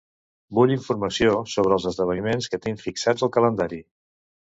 Vull informació sobre els esdeveniments que tinc fixats al calendari.